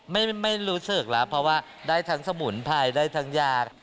ไม่รู้สึกแล้วเพราะว่าได้ทั้งสมุนไพรได้ทั้งยา